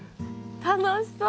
楽しそう！